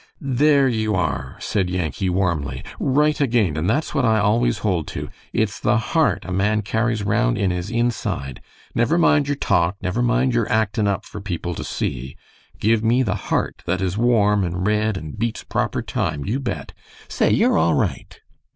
"There you are," said Yankee, warmly, "right again, and that's what I always hold to. It's the heart a man carries round in his inside. Never mind your talk, never mind your actin' up for people to see. Give me the heart that is warm and red, and beats proper time, you bet. Say! you're all right."